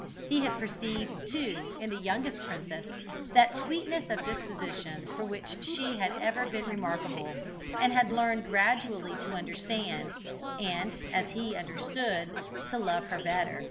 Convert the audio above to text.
He had perceived, too, in the youngest princess, that sweetness of disposition for which she had ever been remarkable, and had learned gradually to understand, and, as he understood, to love her better.